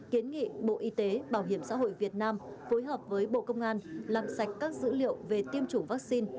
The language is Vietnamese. kiến nghị bộ y tế bảo hiểm xã hội việt nam phối hợp với bộ công an làm sạch các dữ liệu về tiêm chủng vaccine